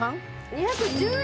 ２１０円